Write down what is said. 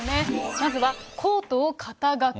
まずはコートを肩掛け。